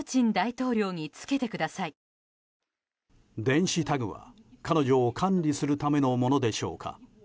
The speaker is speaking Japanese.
電子タグは彼女を管理するためのものでしょうか。